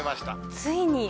ついに。